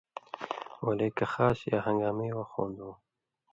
ولے کہ خاص یا ہن٘گامی وَخ ہُون٘دُوں